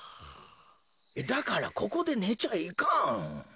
だからここでねちゃいかん。